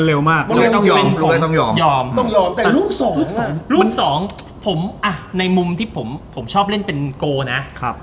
ลูกสองในถึงที่ผมชอบเล่นเป็นโกนะ